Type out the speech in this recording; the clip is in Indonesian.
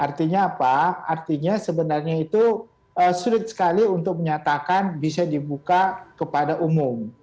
artinya apa artinya sebenarnya itu sulit sekali untuk menyatakan bisa dibuka kepada umum